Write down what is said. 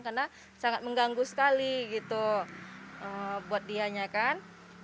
karena sangat mengganggu sekali gitu buat dianya kan